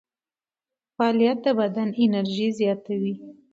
فعالیت د بدن انرژي زیاتوي.